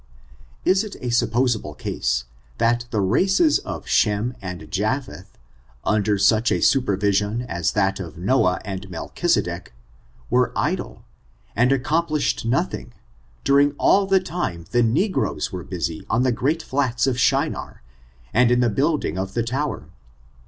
Is it a snpposable case, that the races of Shem and Japheth, under such a supervision as ' that of Noah and Melchisedek, were idle, and accomplished noth ing, during all the time the negroes were busy on the great flats of Shinar, and in the building of the tow er